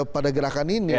pada gerakan ini